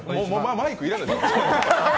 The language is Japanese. マイクいらない、もう。